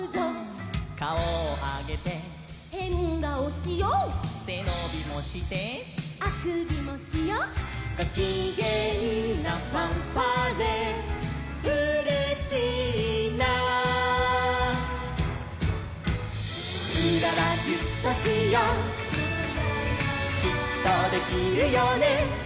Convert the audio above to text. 「かおをあげて」「」「せのびもして」「」「ごきげんなファンファーレ」「うれしいな」「うららギュッとしよう」「きっとできるよね」